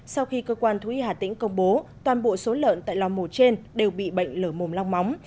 sau khi cơ quan thú y hà tĩnh công bố toàn bộ số lợn tại lò mổ trên đều bị bệnh lở mồm long móng